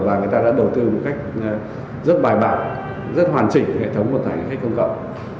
và người ta đã đầu tư một cách rất bài bản rất hoàn chỉnh hệ thống một hệ thống công cộng